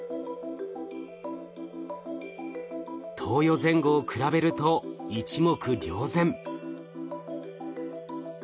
投与前後を比べると一目瞭然。